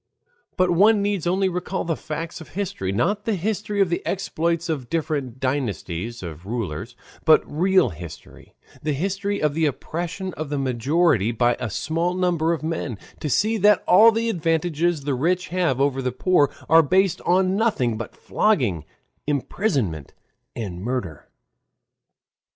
But one need only recall the facts of history, not the history of the exploits of different dynasties of rulers, but real history, the history of the oppression of the majority by a small number of men, to see that all the advantages the rich have over the poor are based on nothing but flogging, imprisonment, and murder.